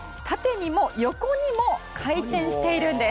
縦にも横にも回転しているんです。